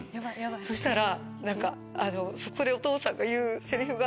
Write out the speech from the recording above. そしたらそこでお父さんが言うセリフが。